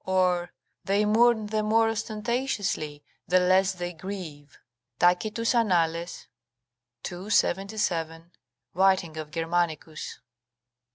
(Or:) "They mourn the more ostentatiously, the less they grieve." Tacitus, Annal., ii. 77, writing of Germanicus.